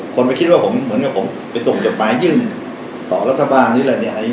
คนไปคิดว่าผมไปส่งจบไม้ยึ่งต่อรัฐบาลนี่แหละเนี่ย